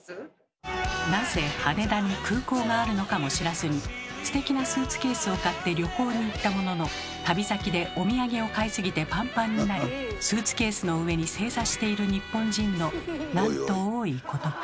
なぜ羽田に空港があるのかも知らずにステキなスーツケースを買って旅行に行ったものの旅先でお土産を買いすぎてパンパンになりスーツケースの上に正座している日本人のなんと多いことか。